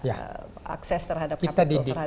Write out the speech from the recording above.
akses terhadap kapital kita didik